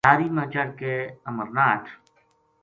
لاری ما چڑھ کے امرناہٹھ